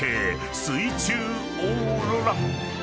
水中オーロラ］